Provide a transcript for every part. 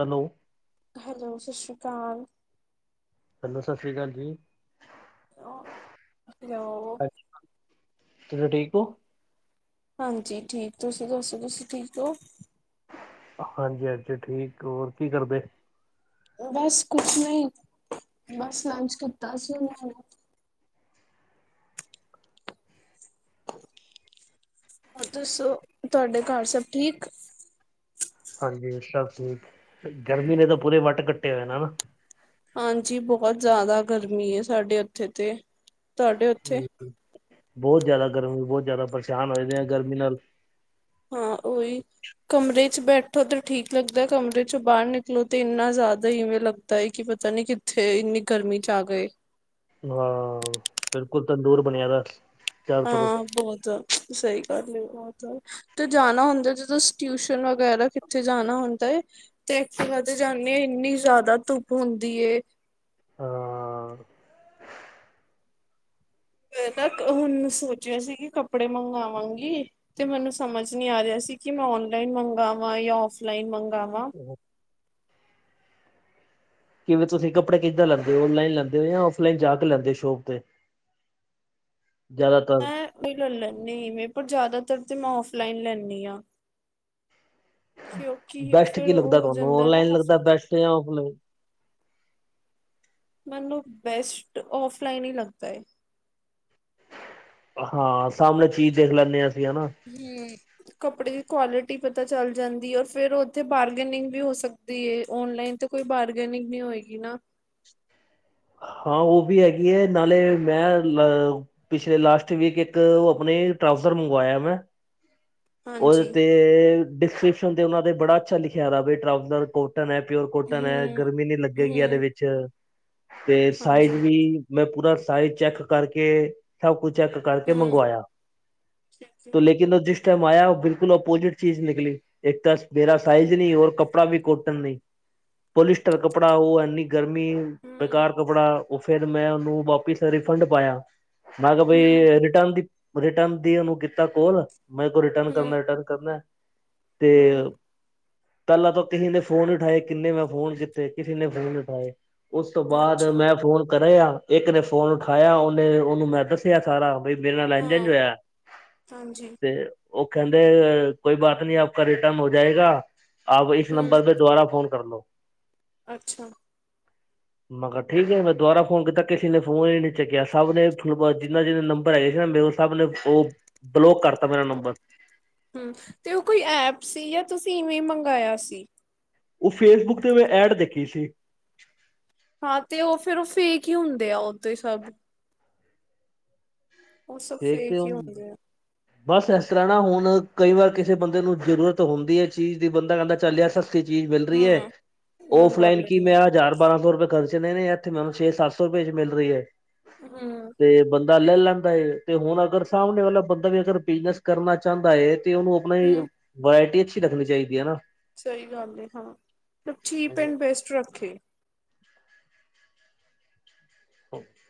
Hello hello ਸਤਿ ਸ਼੍ਰੀ ਅਕਾਲ। ਹੈਲੋ ਸਤਿ ਸ਼੍ਰੀ ਅਕਾਲ ਜੀ। ਹੈਲੋ ਵਧੀਆ ਓ। ਅੱਛਾ ਚਲੋ ਠੀਕ ਹੋ। ਹਾਂਜੀ ਠੀਕ ਤੁਸੀਂ ਦੱਸੋ ਤੁਸੀਂ ਠੀਕ ਹੋ। ਹਾਂਜੀ-ਹਾਂਜੀ ਠੀਕ ਹੋਰ ਕੀ ਕਰਦੇ। ਬਸ ਕੁਛ ਨਈ ਬਸ ਲੰਚ ਕੀਤਾ ਸੀ ਹੁਣੇ ਹੋਰ ਦੱਸੋ ਤੁਹਾਡੇ ਘਰ ਸਭ ਠੀਕ। ਹਾਂਜੀ ਸਭ ਠੀਕ ਗਰਮੀ ਨੇ ਤਾਂ ਪੂਰੇ ਵੱਟ ਕੱਟੇ ਹੋਏ ਨੇ ਨਾ। ਹਾਂਜੀ ਬਹੁਤ ਜਾਦਾ ਗਰਮੀ ਏ ਸਾਡੇ ਉੱਥੇ ਤੇ ਤੁਹਾਡੇ ਉੱਥੇ ਬੋ ਜਾਦਾ ਗਰਮੀ ਬੋ ਜਾਦਾ ਪਰੇਸ਼ਾਨ ਹੋ ਜਾਂ ਣੇ ਆ ਗਰਮੀ ਨਾਲ ਹਾਂ ਓਹੀ ਕਮਰੇ 'ਚ ਬੈਠੋ ਤੇ ਠੀਕ ਲੱਗਦਾ ਕਮਰੇ ਚੋਂ ਬਾਰ ਨਿਕਲੋ ਤੇ ਇੰਨਾ ਜਾਦਾ ਇਵੇਂ ਲੱਗਦ ਤਾਂ ਈ ਕੀ ਪਤਾ ਨੀ ਕਿੱਥੇ ਇੰਨੀ ਗਰਮੀ 'ਚ ਆ ਗਏ। ਹਾਂ ਬਿਲਕੁਲ ਤੰਦੂਰ ਬਣਿਆ ਦਾ। ਚਾਰੋ ਤਰਫ ਹਾਂ ਬਹੁਤ ਜਾਦ ਸਈ ਗੱਲ ਬਹੁਤ ਤੇ ਜਾਣਾ ਹੁੰਦਾ ਜ ਤੁ ਟਿਊਸ਼ਨ ਵਗੈਰਾ ਕਿੱਥੇ ਜਾਣਾ ਹੁੰਦਾ ਏ ਤੇ ਇਥੇ ਤਕ ਜਾਂਣੇ ਇੰਨੀ ਜਾਦਾ ਧੁੱਪ ਹੁੰਦੀ ਏ। ਹਾਂ ਮੈਂ ਤਾਂ ਹੁਣ ਸੋਚਿਆ ਸੀ ਕਿ ਕੱਪੜੇ ਮੰਗਵਾਂਗੀ। ਤੇ ਮੈਨੂੰ ਸਮਝ ਨੀ ਆ ਰਿਆ ਸੀ ਕਿ ਮੈਂ ਆਨਲਾਈਨ ਮੰਗਾਵਾਂ ਜਾਂ ਔਫਲਾਈਨ ਮੰਗਾਵਾਂ। ਹੂੰ ਕਿਵੇਂ ਤੁਸੀਂ ਕੱਪੜੇ ਕਿੱਦਾਂ ਲੈਂਦੇ ਹੋ ਔਨਲਾਈਨ ਲੈਂਦੇ ਜਾਂ ਔਫਲਾਈਨ ਜਾ ਕੇ ਲੈਂਦੇ ਹੋ ਸ਼ੋਪ ਤੇ ਜ਼ਿਆਦਾਤਰ ਮੈਂ ਉ ਲੈ ਲੈਂਣੀ ਮੈਂ ਪਰ ਜਾਦਾਤਰ ਤੇ ਮੈਂ ਔਫਲਾਈਨ ਲੈਂਣੀ ਆਂ। ਕਿਉਂਕਿ ਫਿਰ ਓ ਹੋ ਜਾਂਦਾ ਨਾ ਮਸ ਤੇ ਔਫਲਾਈਨ ਮੈਨੂੰ ਬੈਸਟ ਔਫਲਾਈਨ ਈ ਲੱਗਦਾ ਏ। ਹਾਂ ਸਾਮਣੇ ਚੀਜ਼ ਦੇਖ ਲੈਂਨੇ ਆਂ ਅਸੀਂ, ਹੈਣਾ! ਹੂੰ, ਕੱਪੜੇ ਦੀ ਕੁਆਲਿਟੀ ਪਤਾ ਚੱਲ ਜਾਂਦੀ ਏ ਔਰ ਫੇਰ ਓਥੇ ਬਾਰਗਨਿੰਗ ਵੀ ਹੋ ਸਕ ਦੀ ਔਨਲਾਈਨ ਤੇ ਕੋਈ ਬਾਰਗਨਿੰਗ ਨੀ ਹੋਏਗੀ ਨਾ। ਹਾਂ ਓ ਵੀ ਹੈਗੀ ਏ ਨਾਲੇ ਮੈਂ ਲ ਪਿਛਲੇ ਲਾਸਟ ਵੀਕ ਇੱਕ ਓ ਅਪਣੇ ਟਰਾਓਜਰ ਮੰਗਵਾਇਆ ਮੈਂ ਓਦੇ ਹਾਂਜੀ ਤੇ ਡਿਸਕ੍ਰਿਪਸ਼ਨ ਤੇ ਉਨਾਂ ਦੇ ਬੜਾ ਅੱਛਾ ਲਿਖਿਆ ਦਾ ਵੇ ਟਰਾਓਜਰ ਕੋਟ ਕੋਟਨ ਐ, ਪਿਓਰ ਕੋਟਨ ਐ ਹਮ ਗਰਮੀ ਨੀ ਲੱਗੇਗੀ ਐਦੇ ਹਮ ਵਿੱਚ। ਤੇ ਸਾਈਜ਼ ਹਾਂਜੀ ਵੀ, ਮੈਂ ਪੂਰਾ ਸਾਈਜ਼ ਚੈੱਕ ਕਰਕੇ ਸਭ ਕੁਛ ਚੈੱਕ ਕਰਕੇ ਹਮ ਮੰਗਵਾਇਆ। ਠੀਕ ਹੈ ਤੂੰ ਲੇਕ ਕਿਨ ਓ ਜਿਸ ਟਾਈਮ ਆਇਆ, ਓ ਬਿਲਕੁਲ ਅਪੋਜਿਟ ਚੀਜ਼ ਨਿਕਲੀ। ਏਕ ਤਾਂ ਮੇਰਾ ਸਾਈਜ਼ ਨੀਂ ਔਰ ਕੱਪੜਾ ਵੀ ਕੋਟਨ ਨਈਂ। ਪੋਲੀਸਟਰ ਕਪੜਾ ਔਰ ਐਨੀ ਗਰਮੀ। ਬੇਕਾਰ ਹਮ ਕੱਪੜਾ, ਓ ਫੇਰ ਮੈਂ ਓਨੂੰ ਵਾਪਿਸ ਰਿਫੰਡ ਪਾਇਆ। ਮੈਂ ਕਾ ਬਈ ਹਮ ਰਿਟਰਨ ਦੀ, ਰਿਟਰਨ ਦੀ ਓਨੂੰ ਕੀਤਾ ਕੋਲ ਮੈਰੇ ਕੋ ਰਿਟਰਨ ਹਮ ਕਰਨੈ-ਰਿਟਰਨ ਕਰਨੈ, ਤੇ ਹਮ ਪੈਲਾਂ ਤੋਂ ਕਿਸੇ ਨੇ ਫੋਨ ਨੀ ਉਠਾਏ। ਕਿੰਨੇ ਮੈਂ ਫੋਨ ਕੀਤੇ, ਕਿਸੇ ਨੇ ਫੋਨ ਨੀ ਉਠਾਏ। ਉਸ ਤੋਂ ਬਾਦ ਅੱਛਾ ਮੈਂ ਫੋਨ ਕਰੇਯਾ ਇੱਕ ਨੇ ਫੋਨ ਉਠਾਇਆ ਓਨੇ-ਓਨੂੰ ਮੈਂ ਦੱਸਿਆ ਸਾਰਾ। ਬਈ ਮੇਰੇ ਨਾਲ ਐਂਜ ਐਂਜ ਹਾਂ ਹੋਇਆ, ਹਾਂਜੀ ਤੇ ਓ ਕੈਂਦੇ ਕੋਈ ਬਾਤ ਨੀਂ ਆਪਕਾ ਰਿਟਰਨ ਹੋ ਜਾਏਗਾਰ, ਆਪ ਇਸ ਹਮ ਨੰਬਰ ਸੇ ਦੁਬਾਰਾ ਫੋਨ ਕਰਲੋ। ਅੱਛਾ। ਮੈਂ ਕਾ ਠੀਕ ਐ ਬਈ, ਦੁਬਾਰਾ ਫੋਨ ਕੀਤਾ ਕਿਸੇ ਨੇ ਫੋਨ ਈ ਨੀ ਚਕਿਆ। ਸਭ ਦੇ ਥਾਨੂੰ ਪਤਾ, ਜਿੰਨਾ ਜਿੰਨਾ ਨੰਬਰ ਹੈਗੇ ਸੀ ਨਾ ਮੇਰੇ ਕੋਲ ਸਬਨੇ ਬੋ-ਬਲੋਕ ਕਰਤਾ ਮੇਰਾ ਨੰਬਰ। ਹੰ! ਤੇ ਓ ਕੋਈ ਐਪ ਸੀ ਯਾ ਤੁਸੀਂ ਇਵੇਂ ਮੰਗਾਯਾ ਸੀ। ਓ ਫੇਸਬੁੱਕ ਤੇ ਮੈਂ ਐਡ ਦੇਖੀ ਸੀ। ਹਾਂ! ਤੇ ਓ ਫੇਰ ਓ ਫੇਕ ਹੀ ਹੁੰਦੇ ਆ ਓ ਤੇ ਸਭ। ਉਹ ਸਭ ਫੇਕ ਹੀ ਕਯੋਂ? ਹੁੰਦੇ ਆ ਬਸ ਐਸ ਤਰ੍ਹਾਂ ਨਾ ਹੁਣ ਕਈ ਵਾਰ ਕਿਸੇ ਬੰਦੇ ਨੂੰ ਜਰੂਰਤ ਹੁੰਦੀ ਹੈ ਚੀਜ਼ ਦੀ ਬੰਦਾ ਕੈਂਦਾ ਚੱਲ ਯਾਰ ਸਸ ਸਤੀ ਚੀਜ਼ ਮਿਲ ਰਈ ਐ। ਹਮ ਮੈਂ ਕਰ ਔਫਲਾਈਨ ਕੀ ਲੈਂਦੇ ਮੈਂ ਹਜ਼ਾਰ ਬਾਰਾਂ ਸੌ ਰੁਪਏ ਖਰਚ ਕਰਨੇ ਨੇ, ਐਥੇ ਮੈਨੂੰ ਛੇ-ਸਤ ਸੌ ਰਪਏ ਚ ਮਿਲ ਰੀ ਐ। ਹੂੰ। ਤੇ ਬੰਦਾ ਲੈ ਲੈਂਦਾ ਏ। ਤੇ ਹੁਣ ਅਗਰ ਸਾਮਣੇ ਵਾਲਾ ਬੰਦਾ ਵੀ ਅਗਰ ਬਿਜਨਸ ਕਰਨਾ ਚਾਂਦਾ ਏ ਤੇ ਓਨੂੰ ਅਪਣੇ ਹਮ ਵਰਾਇਟੀ ਅੱਛੀ ਰਖਨੀ ਚਈਦੀ ਏ ਨਾ। ਸਹੀ ਗੱਲ ਏ, ਹਾਂ। ਮਲਬ ਚੀਪ ਐਂਡ ਬੈਸਟ ਰੱਖੇ।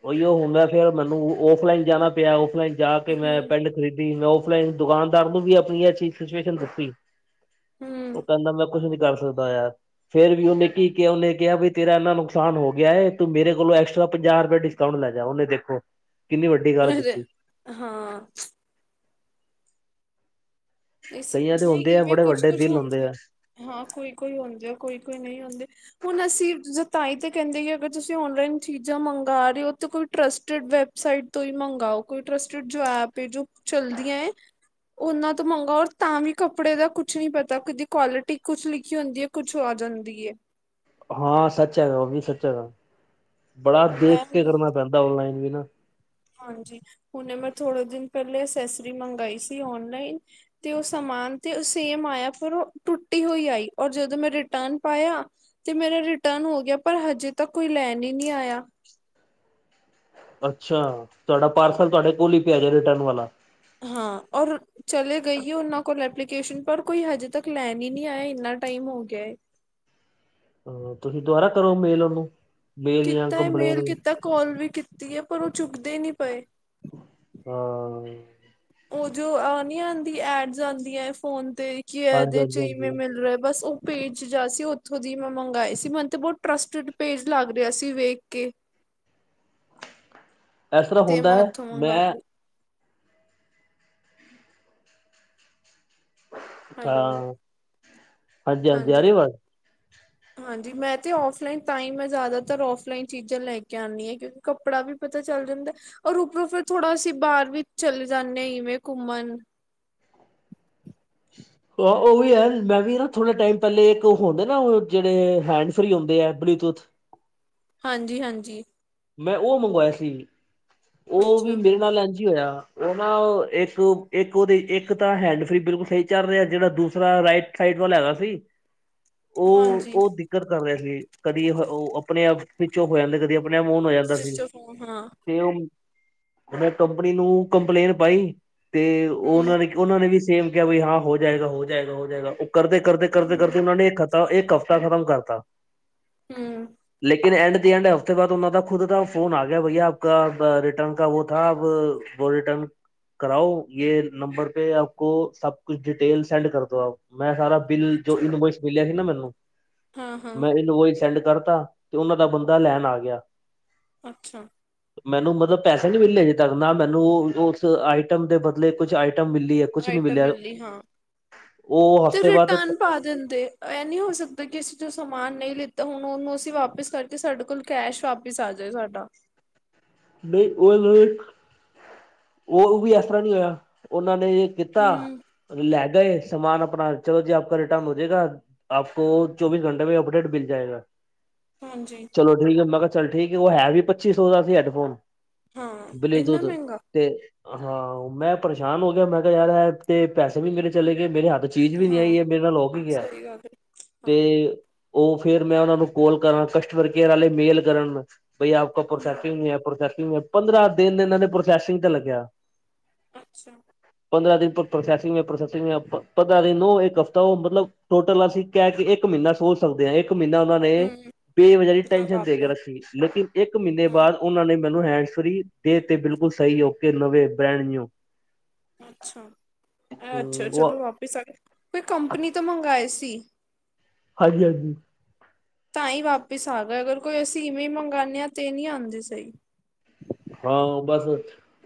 ਓਈਓ ਹੁਨ ਮੈਂ ਫੇਰ ਮੈਨੂੰ ਔਫਲਾਈਨ ਜਾਣਾ ਪਿਆ, ਔਫਲਾਈਨ ਜਾ ਕੇ ਮੈਂ ਹੂੰ ਪਿੰਡ ਖਰੀਦੀ ਮੈਂ ਔਫਲਾਈਨ ਦੁਕਾਨਦਾਰ ਨੂੰ ਵੀ ਆਪਣੀ ਐ ਸਿਚੁਏਸ਼ਨ ਦੱਸੀ, ਓ ਹੂੰ ਕੈਂਦਾ ਮੈਂ ਕੁਛ ਨੀ ਕਰ ਸਕਦਾ ਯਾਰ। ਫੇਰ ਵੀ ਓਨੇ ਕੀ ਕਿਆ, ਓਨੇ ਕਯਾ ਬਈ ਤੇਰਾ ਇੰਨਾ ਨੁਕਸਾਨ ਹੋ ਗਿਆ ਹੈ ਤੂੰ ਮੇਰੇ ਕੋਲੋਂ ਐਕਸ ਟ੍ਰਾ ਪੰਜਾਹ ਰਪਏ ਡਿਸਕਾਊਂਟ ਲੈ ਜਾ। ਓਨੇ ਦੇਖੋ ਕਿੰਨੀ ਵੱਡੀ ਗੱਲ ਅਰੇ ਕੀਤੀ। ਹਾਂ। ਇਸ ਕਈਆਂ ਦੇ ਨਈਂ ਹੁੰਦੇ ਆ ਇਵੇਂ ਬੜੇ ਵੱਡੇ ਕੁਛ-ਕੁਛ ਦਿਲ ਹੁੰਦੇ ਹੁੰਦੈ। ਆ ਹਾਂ ਕੋਈ ਕੋਈ ਹੁੰਦੈ, ਕੋਈ-ਕੋਈ ਨਹੀਂ ਹੁੰਦੇ। ਹੁਣ ਅਸੀਂ ਜ-ਤਾਈ ਤੇ ਕੈਂਦੇ ਅਗਰ ਤੁਸੀਂ ਓਨਲਾਈਨ ਚੀਜ਼ਾਂ ਮੰਗਾ ਰੇ ਓ ਤੇ ਕੋਈ ਟਰਸਟਿਡ ਵੈਬਸਾਈਟ ਤੋਂ ਈ ਮੰਗਾਓ। ਕੋਈ ਟ੍ਰਸਟਿਡ ਜੋ ਐਪ ਏ, ਜੋ ਚਲਦੀਆਂ ਏਂ ਓਨਾਂ ਤੋਂ ਮੰਗਾ ਔਰ ਤਾਂ ਵੀ ਕੱਪੜੇ ਦਾ ਕੁਛ ਨਹੀਂ ਪਤਾ, ਕਿਦੀ ਕੁਆਲਿਟੀ ਕੁਛ ਲਿਖੀ ਹੁੰਦੀ ਹੈ, ਕੁਛ ਆ ਜਾਂਦੀ ਹੈ। ਹਾਂ ਸੱਚ ਹੈਗਾ, ਉਹ ਵੀ ਸੱਚ ਹੈਗਾ, ਬੜਾ ਮੈਂ ਦੇਖ ਕੇ ਹੁਣ ਕਰਨਾ ਪੈਂਦਾ, ਓਨਲਾਈਨ ਵੀ ਨਾ। ਹਾਂਜੀ, ਹੁਣੇ ਮੈਂ ਥੋੜੇ ਦਿਨ ਪਹਿਲੇ, ਅਸੈਸਰੀ ਮੰਗਾਈ ਸੀ ਓਨਲਾਈਨ ਤੇ ਉਹ ਸਮਾਨ ਤੇ ਸੇਮ ਆਇਆ, ਪਰ ਉਹ ਟੁੱਟੀ ਹੋਈ ਆਈ, ਔਰ ਜਦੋਂ ਮੈਂ ਰਿਟਰਨ ਪਾਇਆ ਤੇ ਮੇਰਾ ਰਿਟਰਨ ਹੋ ਗਿਆ, ਪਰ ਹਜੇ ਤੱਕ ਕੋਈ ਲੈਣ ਹੀ ਨਹੀਂ ਆਇਆ। ਅੱਛਾ, ਤੁਹਾਡਾ ਪਾਰਸਲ ਤੁਹਾਡੇ ਕੋਲ ਹੀ ਪਿਆ, ਜੇ ਰਿਟਰਨ ਵਾਲਾ? ਹਾਂ, ਔਰ ਚਲੇ ਗਈ ਹ ਉਹਨਾਂ ਕੋਲ ਐਪਲੀਕੇਸ਼ਨ, ਪਰ ਕੋਈ ਹਜੇ ਤੱਕ ਲੈਣ ਹੀ ਨਹੀਂ ਆਇ, ਇੰਨਾ ਟਾਈਮ ਹੋ ਗਿਆ ਹੈ। ਹਾਂ, ਤੁਸੀਂ ਦੁਬਾਰਾ ਕਰੋ ਮੇਲ ਉਹਨੂੰ ਮੇਲ ਜਾਂ ਕੀਤਾ ਕੰਪਲੇਨ ਮੇਲ ਕੀਤਾ, ਕਾਲ ਵੀ ਕੀਤੀ ਹੈ, ਪਰ ਉਹ ਚੁੱਕਦੇ ਨਹੀਂ ਪਏ। ਹਾਂ। ਉਹ ਜੋ ਆ ਨੀ ਆਉਂਦੀ ਐਡਸ ਆਂਦੀਆਂ ਫੋਨ ਤੇ, ਕਿ ਹਾਂਜੀ ਇਹਦੇ ਹਾਂਜੀ ਚ' ਇਵੇਂ ਹਾਂਜੀ ਮਿਲ ਰਿਹਾ ਬਸ ਪੇਜ ਜਾ ਸੀ, ਉੱਥੋਂ ਦੀ ਮੈਂ ਮੰਗਵਾਏ ਸੀ। ਮੈਨੂੰ ਤੇ ਬਹੁਤ ਟਰੱਸਟਡ ਪੇਜ ਲੱਗ ਰਿਹਾ ਸੀ, ਵੇਖ ਕੇ। ਇਸ ਤਰ੍ਹਾਂ ਤੇ ਹੁੰਦਾ ਮੈਂ ਹੈ, ਉੱਥੋਂ ਮੰਗਵਾ ਮੈਂ ਲਈ ਹੈਲੋ ਹਾਂ, ਹਾਂਜੀ ਹਾਂਜੀ, ਆਰੀ ਵਾਜ? ਹਾਂਜੀ, ਮੈਂ ਤੇ ਔਫਲਾਈਨ ਤਾਂ ਹੀ ਮੈਂ ਜ਼ਿਆਦਾਤਰ ਔਫਲਾਈਨ, ਚੀਜ਼ਾਂ ਲੈ ਕੇ ਆਉਂਦੀ ਹਾਂ। ਕਿਉਂਕਿ ਕੱਪੜਾ ਵੀ ਪਤਾ ਚੱਲ ਜਾਂਦਾ। ਔਰ ਉੱਪਰੋਂ ਫਿਰ ਥੋੜਾ ਅਸੀਂ, ਬਾਹਰ ਵੀ ਚਲੇ ਜਾਂਦੇ ਹਾਂ ਇਵੇਂ ਘੁੰਮਣ। ਆਹ, ਉਹ ਵੀ ਹੈ। ਮੈਂ ਵੀ ਨਾ ਥੋੜ੍ਹੇ ਟਾਈਮ ਪਹਿਲੇ, ਇੱਕ ਉਹ ਹੁੰਦੇ ਨਾ, ਉਹ ਜਿਹੜੇ ਹੈਂਡ ਫਰੀ ਹੁੰਦੇ ਆ ਬਲੂਟੂਥ ਹਾਂਜੀ, ਹਾਂਜੀ। ਮੈਂ ਉਹ ਮੰਗਵਾਇਆ ਸੀ। ਉਹ ਵੀ, ਅੱਛਾ ਮੇਰੇ ਨਾਲ ਇਾਂਝ ਹੀ ਹੋਇਆ। ਉਹ ਨਾ ਇੱਕ, ਇੱਕ ਉਹਦੀ ਇੱਕ ਤਾਂ ਹੈਂਡ ਫਰੀ, ਬਿਲਕੁਲ ਸਹੀ ਚੱਲ ਰਿਹਾ। ਜਿਹੜਾ ਦੂਸਰਾ ਰਾਈਟ ਸਾਈਡ ਵਾਲਾ ਹੈਗਾ ਸੀ। ਹਾਂਜੀ ਉਹ-ਉਹ ਦਿੱਕਰ ਕਰ ਰਹੇ ਸੀ। ਕਦੀ ਉਹ ਆਪਣੇ ਆਪ, ਸਵੀਚ ਔਫ ਹੋ ਜਾਂਦੇ। ਕਦੀ ਆਪਣੇ ਆਪ ਔਨ ਹੋ ਜਾਂਦਾ ਸੀ। ਸਵਿਚ ਆਫ ਹਾਂ ਤੇ ਉਹ ਮੈਂ ਕੰਪਨੀ ਨੂੰ ਕੰਪਲੇਂਟ ਪਾਈ ਤੇ ਹੂੰ ਉਹਨਾਂ ਨੇ ਉਹਨਾਂ ਨੇ ਵੀ ਸੇਮ ਕਿਹਾ, ਵੀ ਹਾਂ ਹੋ ਜਾਏਗਾ, ਹੋ ਜਾਏਗਾ, ਹੋ ਜਾਏਗਾ। ਉਹ ਕਰਦੇ-ਕਰਦੇ-ਕਰਦੇ-ਕਰਦੇ, ਉਹਨਾਂ ਨੇ ਇੱਕ ਹਫ਼ਤਾ ਖਤਮ ਕਰਤਾ। ਹਮ। ਲੇਕਿਨਂ ਐਂਡ ਹਫਤੇ ਬਾਅਦ ਉਹਨਾਂ ਦਾ ਖੁਦ ਦਾ ਫੋਨ ਆ ਗਿਆ, ਭਆ ਆਪ ਰਿਟਰਨ 'ਕ ਵੋ ਥਾ ਰਿਟਰਨ ਕਰਾਓ, ਯ ਨੰਬਰ ਪੇ ਆਪਕ ਸਭ ਕੁਛ ਡਿਟੇਲ ਸੈਂਡ ਕਰਦੋ ਆਪ, ਮੈਂ ਸਾਰਾ ਬਿਲ ਜੋ ਅੱਛਾ ਇਨਵੋਇਸ ਮਿਲਿਆ ਸੀ ਨਾ ਮੈਨੂੰ, ਹਾਂ ਹਾਂ ਮੈਂ ਇਨਵੋਇਸ ਸੈਂਡ ਕਰਤਾ। ਤੇ ਉਹਨਾਂ ਦਾ, ਬੰਦਾ ਲੈਣ ਆ ਗਿਆ। ਅੱਛਾ। ਮੈਨੂੰ ਮਤਲਬ ਪੈਸੇ ਨੀ ਮਿਲਲੇ ਹਜੇ ਤੱਕ, ਨਾ ਮੈਨੂੰ ਉਸ ਆਈਟਮ ਦੇ ਬਦਲੇ, ਕੁਛ ਆਈਟਮ ਮਿਲੀ ਹੈ। ਕੁਛ ਨਹੀਂ ਆਈਟਮ ਮਿਲਿਆ ਮਿਲਲੀ ਹਾਂ, ਉਹ ਤੇ ਹਫ਼ਤੇ ਬਾਅਦ ਰਿਟਰਨ ਪਾ ਦਿੰਦੇ। ਇਹ ਨਹੀਂ ਹੋ ਸਕਦਾ, ਕਿ ਅਸੀਂ ਜੋ ਸਮਾਨ ਨਹੀਂ ਲਿੱਤਾ, ਹੁਣ ਉਹਨੂੰ ਅਸੀਂ ਵਾਪਿਸ ਕਰਕੇ, ਸਾਡੇ ਕੋਲ ਕੈਸ਼ ਵਾਪਸ ਵਾਪਿਸ ਆ ਜਾਏ ਸਾਡਾ। ਨਹੀਂ ਉਹ ਉਹ ਵੀ, ਇਸ ਤਰ੍ਹਾਂ ਨਹੀਂ ਹੋਇਆ। ਉਹਨਾਂ ਨੇ ਜੇ ਕੀਤਾ ਹਮ ਲੈ ਗਏ ਸਮਾਨ ਆਪਣਾ, ਚਲੋ ਜੀ ਆਪ ਰਿਟਰਨ ਹੋ ਜਾਏਗਾ। ਆਪ ਕੋਂ, ਚੌਬੀਸ ਘੰਟੇ ਮੇ ਅਪਡੇਟ ਮਿਲ ਜਾਏਗਾ। ਹਾਂਜੀ। ਚਲੋ ਠੀਕ ਹੈ, ਮੈਂ ਕਿਹਾ ਚੱਲ ਠੀਕ ਹੈ। ਉਹ ਹੈ ਵੀ ਪੱਚੀ ਸੌ ਦਾ ਸੀ, ਹੈਡਫੋਨ ਹਾਂ ਇੰਨਾ ਬਲਟੂਥ। ਮਹਿੰਗਾ ਤੇ, ਹਾਂ ਮੈਂ ਪਰੇਸ਼ਾਨ ਹੋ ਗਿਆ। ਮੈਂ ਕਿਹਾ ਯਾਰ, ਐ ਤੇ ਪੈਸੇ ਵੀ ਮੇਰੇ ਚਲੇ ਗਏ, ਮੇਰੇ ਹੱਥ 'ਚ ਚੀਜ਼ ਵੀ ਨੀ ਹਾਂ ਆਈ ਹੈ, ਮੇਰੇ ਨਾਲ ਹੋ ਕੀ ਗਿਆ। ਸਹੀ ਗੱਲ ਹੈ ਹਾਂ ਤੇ ਉਹ ਫੇਰ ਮੈਂ ਉਹਨਾਂ ਨੂੰ ਕੋਲ ਕਰਾਂ, ਕਸਟਮਰ ਕੇਅਰ ਵਾਲੇ ਮੇਲ ਕਰਨ ਬਾਈ ਆਪ ਹੂੰ ਪ੍ਰੋਸੈਸਿੰਗ ਨੀ ਹੈ, ਪ੍ਰੋਸੈਸਿੰਗ, ਪੰਦਰਾਂ ਦਿਨ ਇਹਨਾਂ ਨੇ ਪ੍ਰੋਸੈਸਿੰਗ ਤੇ ਲਗਿਆ। ਅੱਛਾ। ਪੰਦਰਾਂ ਦਿ ਪਰ ਪ੍ਰੋਸੈਸਿੰਗ, ਪ੍ਰੋਸਸਿੰਗ ਮੇਂ, ਪੰਦਰਾਂ ਦਿਨ ਹੋ, ਇੱਕ ਹਫ਼ਤਾ ਹੋ ਮਤਲਬ ਟੋਟਲ ਅਸੀਂ ਕਹਿ ਕੇ, ਇੱਕ ਮਹੀਨਾ ਸੋਚ ਸਕਦੇ ਹਾਂ। ਇੱਕ ਮਹੀਨਾ ਉਹ ਨੇ ਹੂੰ ਬੇਵਜ਼ਾਰੀ ਟੈਨਸ਼ਨ ਦੇ ਕੇ ਲਗਾਤਾ ਰੱਖੀ। ਲੇਕਿਨ ਇੱਕ ਮਹੀਨੇ ਹਾਂ ਬਾਅਦ ਉਹਨਾਂ ਨੇ ਮੈਨੂੰ ਹੈਂਡ ਫਰੀ ਦੇ ਤੇ, ਬਿਲਕੁਲ ਸਹੀ, ਓਕੇ ਨਵੇਂ, ਬ੍ਰੈਂਡ ਨਿਊ। ਅੱਛਾ, ਏ ਅੱਛਾ ਚਲੋ ਉਹ ਵਾਪਿਸ ਆ ਗਏ, ਕੋਈ ਕੰਪਨੀ ਤੋਂ ਮੰਗਵਾਏ ਸੀ? ਹਾਂਜੀ, ਹਾਂਜੀ। ਤਾਂ ਹੀ ਵਾਪਿਸ ਆ ਗਏ। ਅਗਰ ਕੋਈ ਅਸੀਂ ਇਵੇਂ ਹੀ ਮੰਗਵਾਉਂਦੇ ਹਾਂ, ਤੇ ਨਹੀਂ ਆਉਂਦੇ ਸਹੀ। ਹਾਂ ਬਸ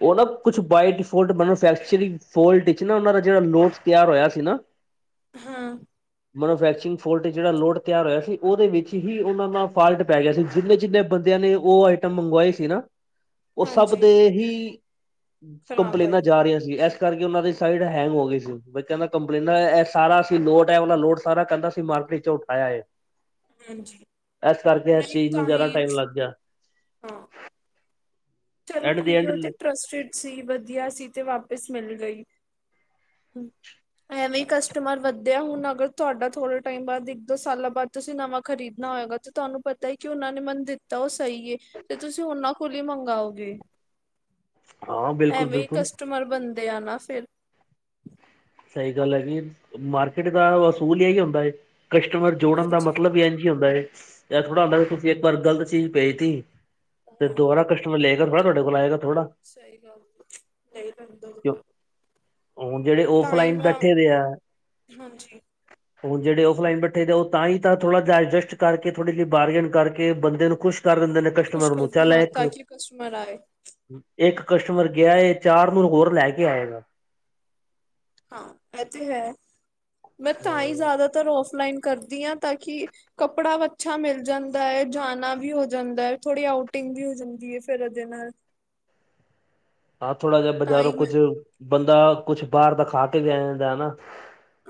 ਉਹ ਨਾ ਕੁਛ ਵੋ ਮੈਨਫੈਕਚਰਗ, ਫੋਲਟ ਵਿੱਚ ਨਾ ਦਾ ਜਿਹੜਾ, ਲੋਡ ਤਿਆਰ ਹੋਇਆ ਸੀ ਨਾ ਹਾਂ। ਮੈਨੂਫੈਕਚਰਿੰਗ ਫੋਲਟ, ਜਿਹੜਾ ਲੋਡ ਤਿਆਰ ਹੋਇਆ ਸੀ। ਉਹਦੇ ਵਿੱਚ ਹੀ, ਉਹਨਾਂ ਦਾ ਫਾਲਟ ਪੈ ਗਿਆ ਸੀ। ਜਿੰਨੇ-ਜਿੰਨੇ ਬੰਦਿਆਂ ਨੇ, ਉਹ ਆਈਟਮ ਮੰਗਵਾਏ ਸੀ ਨਾ ਉਹ ਸਭ ਹਾਂਜੀ ਤੇ ਹੀ, ਖ਼ਰਾਬ ਕੰਪਲੇਨਾਂ ਆਈ ਜਾ ਰਹੀਆਂ ਸੀ। ਇਸ ਕਰਕੇ, ਉਹਨਾਂ ਦੀ ਸਾਈਡ ਹੈਂਗ ਹੋ ਗਈ ਸੀ। ਬੈਂ ਕਹਿੰਦਾ ਕੰਪਲੇਨਾਂ ਇਹ ਸਾਰਾ, ਅਸੀਂ ਲੋਡ ਹੈ ਉਹਨਾ ਲੋਡ ਸਾਰਾ, ਕਹਿੰਦਾ ਅਸੀਂ ਮਾਰਕੀਟ ਉਠਾਇਆ ਹੈ। ਹਾਂਜੀ। ਇਸ ਕਰਕੇ, ਏਸ ਨਹੀਂ ਚੀਜ਼ ਨੂੰ ਤਾਂ ਜ਼ਿਆਦਾ ਹੀ ਟਾਈਮ ਲੱਗ ਗਿਆ। ਹਾਂ। ਚਲੋ ਐਟ ਦੀ ਠੀਕ ਹੈ, ਐਂਡ ਉਹ ਤੇ ਟਰਸਟਡ ਸੀ, ਵਧੀਆ ਸੀ ਤੇ ਵਾਪਿਸ ਮਿਲ ਗਈ। ਹੂ- ਐਵੇਂ ਹੀ ਕਸਟਮਰ ਵਧਿਆ, ਹੁਣ ਅਗਰ ਤੁਹਾਡਾ ਥੋੜੇ ਟਾਈਮ ਬਾਅਦ, ਇੱਕ ਦੋ ਸਾਲਾਂ ਬਾਅਦ ਤੁਸੀਂ ਨਵਾਂ ਖਰੀਦਣਾ ਹੋਏਗਾ, ਤੇ ਤੁਹਾਨੂੰ ਪਤਾ ਹੈ, ਕਿ ਉਹਨਾਂ ਨੇ ਮਨ ਦਿੱਤਾ ਉਹ ਸਹੀ ਏ। ਤੇ ਤੁਸੀਂ, ਉਹਨਾ ਕੋਲੀ ਮੰਗਾਓ। ਤੇ ਹਾਂ ਬਿਲਕੁਲ ਐਵੇਂ ਈ, ਬਿਲਕੁਲ ਕਸਟਮਰ ਬਣਦੇ ਆ ਨਾ ਫਿਰ। ਸਹੀ ਗੱਲ ਹੈਂ ਜੀ, ਮਾਰਕੀਟ ਦਾ ਅਸੂਲ ਏਹੀ ਹੁੰਦਾ ਹੈ। ਕਸਟਮਰ ਜੋੜਨ ਦਾ ਹਾਂਜੀ ਮਤਲਬ, ਇੰਝ ਹੁੰਦਾ ਹੈ। ਇਹ ਥੋੜ੍ਹਾ ਹੁੰਦਾ, ਤੁਸੀਂ ਇੱਕ ਵਾਰ ਗ਼ਲਤ ਚੀਜ਼ ਭੇਜ ਤੀ ਤੇ ਹਾਂ ਦੁਬਾਰਾ ਕਸਟਮਰ ਲਏਗਾ ਥੋੜਾ, ਆਏਗਾ ਥੋੜਾ। ਸਹੀ ਗੱਲ। ਨਹੀਂ ਪੈਂਦਾ ਦਬਾਰ, ਹੁਣ ਜਿਹੜੇ ਤਾਂ ਹੀ ਔਫਲਾਈਨ ਮੈਂ, ਬੈਠੇ ਦੇ ਆ ਹਾਂਜੀ। ਹੁਣ ਜਿਹੜੇ, ਓਫਲਾਈਨ ਬਠੇ ਆ। ਉਹ ਤਾਂ ਹੀ ਤਾਂ ਥੋੜਾ ਜਹਾ ਐਡਜਸਟ ਕਰਕੇ, ਥੋੜ੍ਹੀ ਜਿਹੀ ਬਾਰਗਨ ਕਰ, ਬੰਦੇ ਨੂੰ ਖੁਸ਼ ਦਿੰਦੇ ਨੇ। ਖੁਸ਼ ਕਸਟਮਰ ਨੂੰ ਕਰ, ਚੱਲ ਹਾਂ ਇੱਕ ਤਾਂਕ ਕਸਟਮਰ ਆਏ। ਇੱਕ ਕਸਟਮਰ ਗਿਆ ਏ, ਚਾਰ ਨੂੰ ਹੋਰ ਲੈ ਕੇ ਆਏਗਾ। ਹਾਂ, ਇਹ ਤੇ ਹੈ। ਮੈਂ ਤਾਂ ਹੀ ਜ਼ਿਆਦਾ ਤਰ ਔਫਲਾਈਨ ਕਰਦੀ ਹਾਂ, ਤਾਂ ਕਿ ਕੱਪੜਾ ਅੱਛਾ ਮਿਲ ਜਾਂਦਾ ਹੈ, ਜਾਣਾ ਵੀ ਹੋ ਜਾਂਦਾ ਹੈ, ਥੋੜ੍ਹੀ ਆਊਟਿੰਗ ਵੀ ਹੋ ਜਾਂਦੀ ਹੈ, ਫਿਰ ਉਹਦੇ ਨਾਲ। ਹਾਂ ਥੋੜਾ ਜਿਹਾ ਤਾਂ ਬਜ਼ਾਰੋਂ ਹੀ ਮੈਂ ਕੁੱਝ, ਬੰਦਾ ਕੁਛ ਬਾਹਰ ਤਾਂ ਖਾ ਕੇ ਵੀ ਜਾਂਦਾ ਨਾ।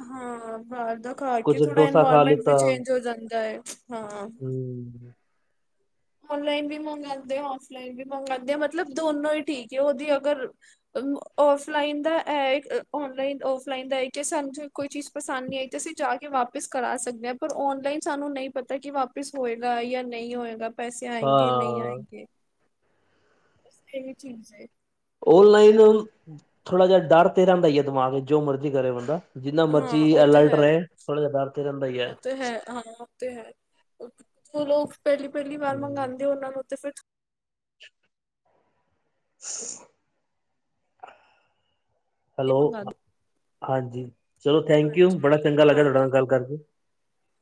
ਹਾਂ ਬਾਹਰ ਦਾ ਖਾ ਕੁੱਝ ਕੇ, ਥੋੜਾ ਡੋਸਾ ਖਾ ਇਨਵਾਇਰਮੈਂਟ ਵੀ ਲਿੱਤਾ ਚੇਂਜ ਹੋ ਜਾਂਦਾ ਹੈ, ਹਾਂ। ਹੂੰ ਔਨਲਾਈਨ ਵੀ ਮੰਗਵਾਉਂਦੇ ਆ, ਔਫਲਾਈਨ ਵੀ ਮੰਗਉਂਦੇ ਆ। ਮਤਲਬ ਦੋਨੋ ਹੀ ਠੀਕ ਹੈ ਉਹਦੀ ਅਗਰ ਔਫਲਾਈਨ ਦਾ ਐ ਏ, ਔਨਲਾਈਨ-ਔਫਲਾਈਨ ਦਾ ਕਿ ਸਾਨ ਝੋ ਕੋਈ ਚੀਜ਼ ਪਸੰਦ ਨਹੀਂ ਆਈ, ਤਾਂ ਅਸੀਂ ਜਾ ਕੇ ਵਾਪਿਸ ਕਰਾ ਸਕਦੇ ਹਾਂ। ਪਰ ਔਨਲਾਈਨ ਸਾਨੂੰ ਨਹੀਂ ਪਤਾ, ਕਿ ਵਾਪ- ਪਿਸ ਹੋਏਗਾ ਯਾ ਨਈ ਹੋਏਗਾ, ਪੈਸੇ ਆਏਗੇ ਨਈ ਹਾਂ ਆਏਗੇ ਬਸ, ਇਸ ਮੇ ਹੀ ਚੀਮਜ਼ ਹੈ। ਓਨਲਾਈਨ ਹੋ, ਥੋੜਾ ਜਾ ਡਾਰ ਤੇ ਰਾਗਦਾ ਈ ਦਿਮਾਗ ਜੋ ਮਰਜ਼ੀ ਕਰੇ ਬੰਦਾ ਜਿੰਨਾ ਹਾਂ ਮਰਜ਼ੀ ਉਹ ਤੇ ਅਲਰਟ ਹੈ ਰੇ, ਥੋੜ੍ਹਾ ਜੇਹਾ ਡਾਰ ਤੇ ਰੈਦਾ ਈ ੲੈ। ਉਹ ਤੇ ਹੈ ਹਾਂ ਉਹ ਤੇ ਹੈ, ਜੋ ਲੋਕ ਪੈਲੀ-ਪੈਲੀ ਵਾਰ ਮੰਗਵਾਦੇ ਓਨਾਂ ਨੂੰ ਤੇ ਫੇਰ [inaudible] [inaudible] ਥੋੜ੍ਹੀ ਹੈਲੋ ਅ, ਮੰਗਵਾਉਂਦੇ ਹਾਜੀ, ਚਲੋ ਥੈਂਕ ਯੂ ਹਾਂਜੀ ਬੜਾ ਚੰਗਾ ਲੱਗਯਾ ਤੁਹਾਡੇ ਨਾਲ ਗੱਲ ਕਾਰਕੇ।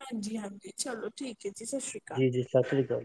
ਹਾਂਜੀ-ਹਾਂਜੀ ਚਲੋ ਠੀਕ ੲੈ ਜੀ ਸਸ਼੍ਰੀ ਜੀ-ਜੀ ਸਸ਼੍ਰੀ ਕਾਲ।